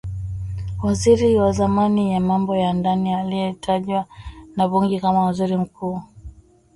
Waziri wa zamani wa mambo ya ndani aliyetajwa na bunge kama waziri mkuu.